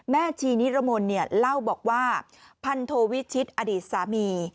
แม่ชีนิรมนธ์เล่าบอกว่าพันธวิชิตอดีตสามี